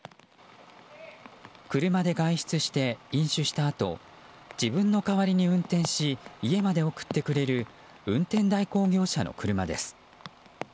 車で外出して飲酒したあと自分の代わりに運転し家まで送ってくれる運転代行業者の車です。